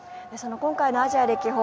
今回のアジア歴訪